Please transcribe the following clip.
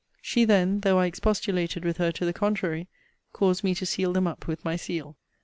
She then, though I expostulated with her to the contrary, caused me to seal them up with my seal.